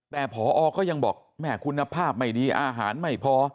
แต่พอก็ยังบอกแม่คุณภาพไม่ดีอาหารไม่พอ